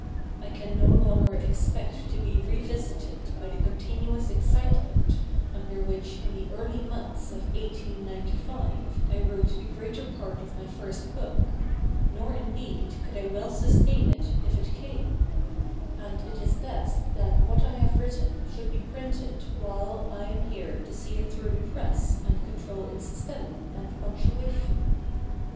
I can no longer expect to be revisited by the continuous excitement under which in the early months of 1895 I wrote the greater part of my first book, nor indeed could I well sustain it if it came; and it is best that what I have written should be printed while I am here to see it through the press and control its spelling and punctuation.